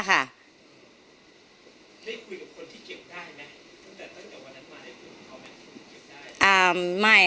คุยกับคนที่เกี่ยวได้ไหมตั้งแต่ตั้งจากวันนั้นมาได้เชื่อของเขาแม่ง